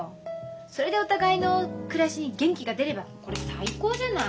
それでお互いの暮らしに元気が出ればこれ最高じゃない。